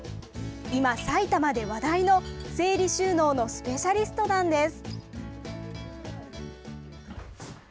今、埼玉で話題の整理収納のスペシャリストなんです。